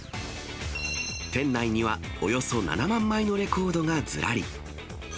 店内には、およそ７万枚のレコードがずらり。